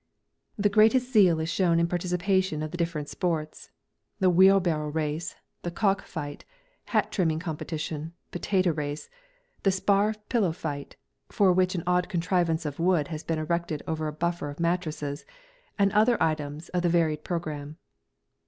The greatest zeal is shown in participation of the different sports the wheelbarrow race, the cock fight, hat trimming competition, potato race, the spar pillow fight, for which an odd contrivance of wood has been erected over a buffer of mattresses, and other items of the varied programme.